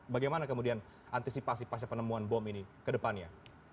bagaimana kemudian antisipasi pasca penemuan bom ini ke depannya